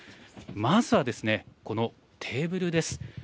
まずは、このテーブルです。